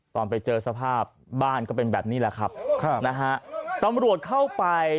ตอนไปเจอสภาพบ้านก็เป็นแบบนี้แหละครับครับนะฮะตำรวจเข้าไป